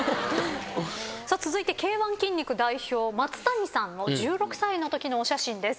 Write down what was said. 続いてＫ−１筋肉代表松谷さんの１６歳のときのお写真です。